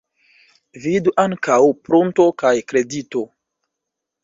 Vidu ankaŭ prunto kaj kredito.